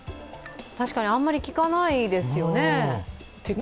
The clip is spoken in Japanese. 確かにあまり聞かないですよね。